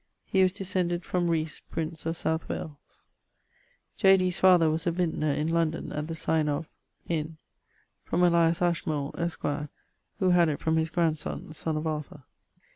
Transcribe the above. He was descended from Rees, prince of South Wales. [LVII.] J. Dee's father was a vintner in London at the signe of ... in ...: from Elias Ashmole, esqre, who had it from his grandsonne (sonne of Arthur).